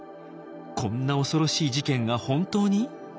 こんな恐ろしい事件が本当に？